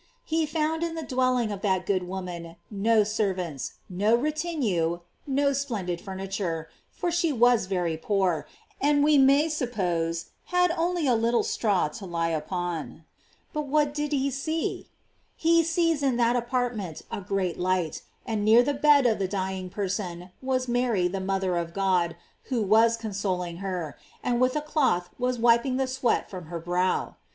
He found in the dwelling of that good woman no servants, no retinue, no splendid furniture, for she was very poor, and we may suppose had only a little straw to lie upon. But what does he see? He sees in that apart ment a great light, and near the bed of the dying person was Mary the mother of God, who was con soling her, and with a cloth was wiping the sweat from her brow.